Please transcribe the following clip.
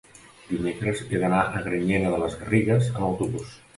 dimecres he d'anar a Granyena de les Garrigues amb autobús.